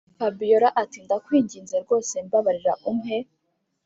fabiora ati”ndakwinginze rwose mbararira umpe